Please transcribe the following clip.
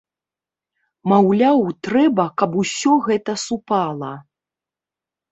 Маўляў, трэба, каб усё гэта супала.